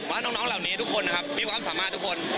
ว่าน้องเหล่านี้ทุกคนนะครับมีความสามารถทุกคน